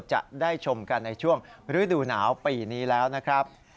จะได้ชมกันในช่วงฤดูหนาวปีนี้แล้วนะครับ